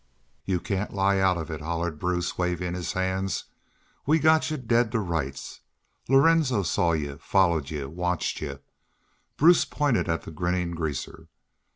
"'Yu cain't lie out of it,' hollered Bruce, wavin' his hands. 'We got y'u daid to rights. Lorenzo saw y'u follered y'u watched y'u.' Bruce pointed at the grinnin' greaser.